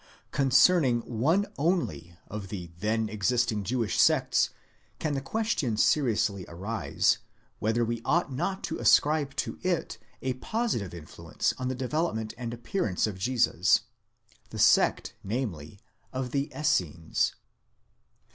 ® Concerning one only of the then existing Jewish sects can the question seriously arise, whether we ought not to ascribe to it a positive influence on the development and appearance of Jesus—the sect, namely, of the Essenes.